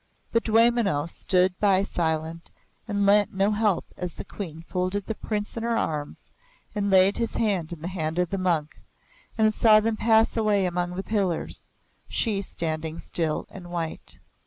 But Dwaymenau stood by silent and lent no help as the Queen folded the Prince in her arms and laid his hand in the hand of the monk and saw them pass away among the pillars, she standing still and white.